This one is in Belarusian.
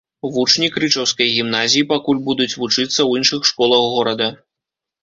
Вучні крычаўскай гімназіі пакуль будуць вучыцца ў іншых школах горада.